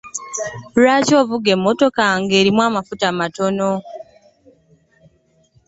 Lwaki ovuga emmotoka nga mulimu amafuta matono?